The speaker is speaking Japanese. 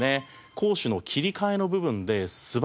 攻守の切り替えの部分で素早く動く。